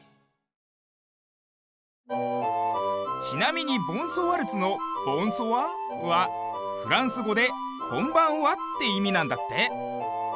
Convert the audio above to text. ちなみに「ボンソワルツ」の「ボンソワ」はフランスごで「こんばんは」っていみなんだって。